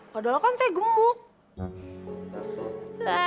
padahal kan saya gemuk